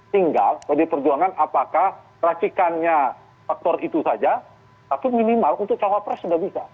tinggal pdi perjuangan apakah racikannya faktor itu saja tapi minimal untuk cawapres sudah bisa